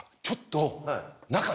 ちょっと。